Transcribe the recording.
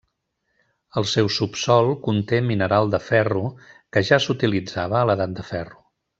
El seu subsòl conté mineral de ferro que ja s'utilitzava a l'Edat de Ferro.